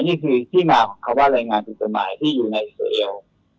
นี่คือลัยงานที่ตรูกลตหมายที่อยู่ในอิสระเอล